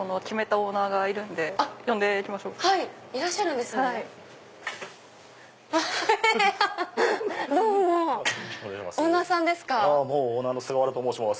オーナーの菅原と申します。